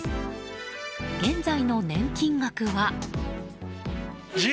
現在の年金額は？